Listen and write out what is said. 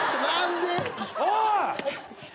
おい！